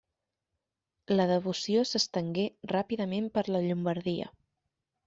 La devoció s'estengué ràpidament per la Llombardia.